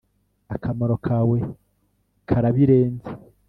Akamaro kawe karabirenze